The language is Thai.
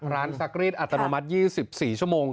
ซักรีดอัตโนมัติ๒๔ชั่วโมง